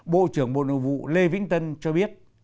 bộ trưởng bộ nội vụ lê vĩnh tân cho biết